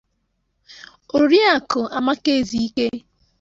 Oriakụ Amaka Ezike